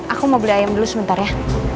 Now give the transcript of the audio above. aku mau beli ayam dulu sebentar ya